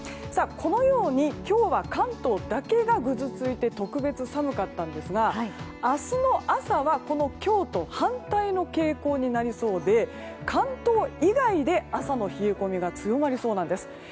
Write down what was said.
さあ、このように今日は関東だけがぐずついて特別寒かったんですが明日の朝はこの今日と反対の傾向になりそうで関東以外で朝の冷え込みが強まりそうなんです。